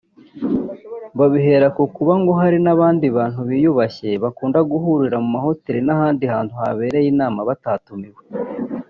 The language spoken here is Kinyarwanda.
Babihera ku kuba ngo hari n’abandi bantu biyubashye bakunda guhurira mu mahoteli n’ahandi habereye inama batatumiwe